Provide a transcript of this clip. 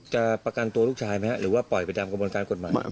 ประกันตัวลูกชายไหมหรือว่าปล่อยไปตามกระบวนการกฎหมาย